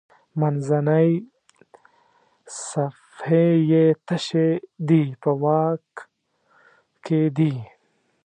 منځنۍ صفحې یې تشې دي په واک کې دي.